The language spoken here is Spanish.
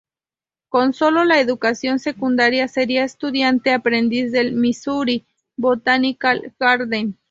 Con solo la educación secundaria, sería estudiante aprendiz en el Missouri Botanical Garden.